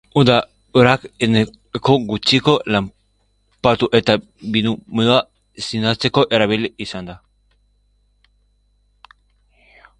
Hedaduraz, neke gutxiko lanpostu eta bizimodua izendatzeko erabilita izan da.